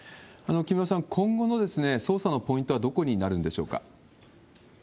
木村さん、今後の捜査のポイントはどこになるんでしょうか？